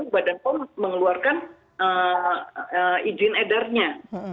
badan pom mengeluarkan izin edarnya